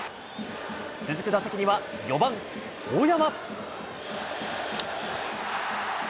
続く打席には４番大山。